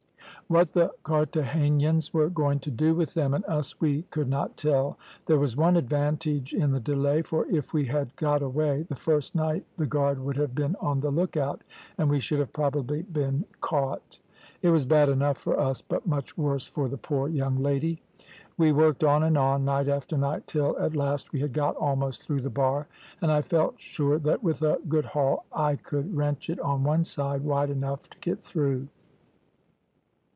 What the Carthagenans were going to do with them and us we could not tell. There was one advantage in the delay, for if we had got away the first night the guard would have been on the look out, and we should have probably been caught. It was bad enough for us, but much worse for the poor young lady. We worked on and on, night after night, till at last we had got almost through the bar, and I felt sure that with a good haul I could wrench it on one side wide enough to get through.